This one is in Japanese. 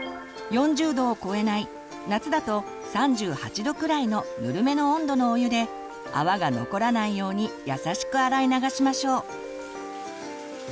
４０度を超えない夏だと３８度くらいのぬるめの温度のお湯で泡が残らないように優しく洗い流しましょう。